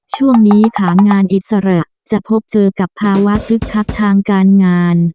ช่วงนี้ขางานอิสระจะพบเจอกับภาวะคึกคักทางการงาน